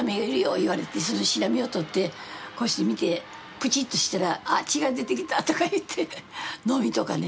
言われてそのシラミをとってこうして見てプチっとしたらあっ血が出てきたとか言ってノミとかね。